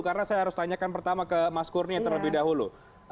karena saya harus tanyakan pertama ke mas kurnia terlebih dahulu